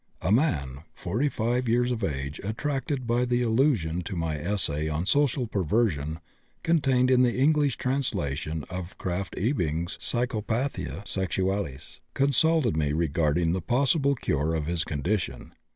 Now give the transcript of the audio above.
A man, 45 years of age, attracted by the allusion to my essay on "Social Perversion" contained in the English translation of Krafft Ebing's Psychopathia Sexualis, consulted me regarding the possible cure of his condition.